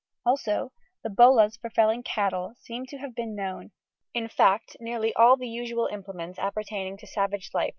Also the bolas for felling cattle seems to have been known; in fact nearly all the usual implements appertaining to savage life were in use.